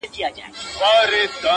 چاته د يار خبري ډيري ښې دي;a